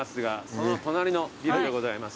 その隣のビルでございます。